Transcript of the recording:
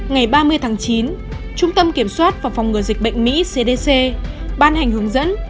ngày ba mươi tháng chín trung tâm kiểm soát và phòng ngừa dịch bệnh mỹ cdc ban hành hướng dẫn